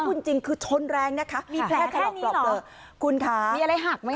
พูดจริงคือชนแรงนะคะมีแผลแค่นี้คุณค่ะมีอะไรหักไหม